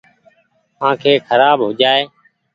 آنکي کرآب هوجآئي ۔